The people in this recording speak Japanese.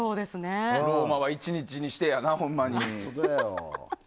ローマは１日にしてやなほんまに。